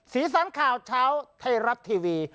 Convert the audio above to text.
สีสันข่าวเช้าไทยรัฐทีวี